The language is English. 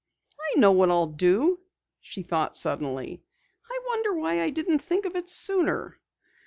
"I know what I'll do!" she thought suddenly. "I wonder why I didn't think of it sooner?"